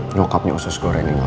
nyokapnya usus gue renggok